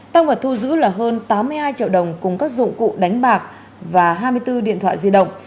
tăng vật thu giữ là hơn tám mươi hai triệu đồng cùng các dụng cụ đánh bạc và hai mươi bốn điện thoại di động